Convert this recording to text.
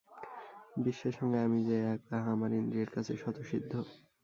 বিশ্বের সঙ্গে আমি যে এক, তাহা আমার ইন্দ্রিয়ের কাছে স্বতঃসিদ্ধ।